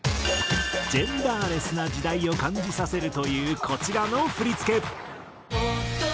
ジェンダーレスな時代を感じさせるというこちらの振付。